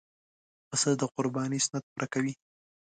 پسه د قربانۍ سنت پوره کوي.